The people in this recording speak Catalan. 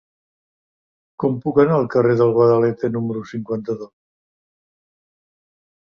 Com puc anar al carrer del Guadalete número cinquanta-dos?